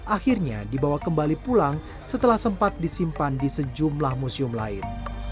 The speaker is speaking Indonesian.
akhirnya dibawa kembali pulang setelah sempat disimpan di sejumlah museum lain